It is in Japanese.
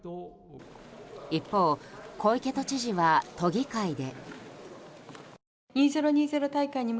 一方、小池都知事は都議会で。